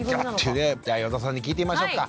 じゃ余座さんに聞いてみましょっか。